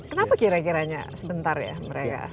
kenapa kira kiranya sebentar ya mereka